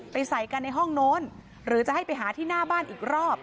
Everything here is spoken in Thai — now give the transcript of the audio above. ใส่กันในห้องโน้นหรือจะให้ไปหาที่หน้าบ้านอีกรอบ